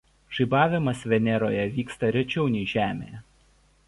Žaibavimas veneroje vyksta rečiau nei Žemėje.